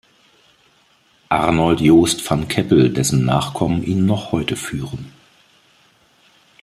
Arnold Joost van Keppel, dessen Nachkommen ihn noch heute führen.